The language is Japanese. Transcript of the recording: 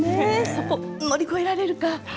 そこを乗り越えられるか。